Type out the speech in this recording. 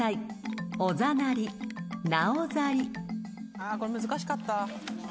あこれ難しかった。